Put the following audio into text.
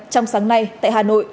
trong sáng nay tại hà nội